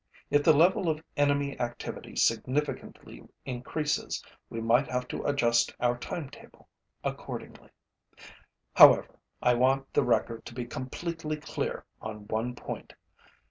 If the level of enemy activity significantly increases, we might have to adjust our timetable accordingly. However, I want the record to be completely clear on one point.